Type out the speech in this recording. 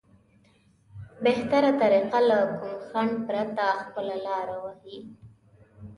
بهتره طريقه له کوم خنډ پرته خپله لاره ووهي.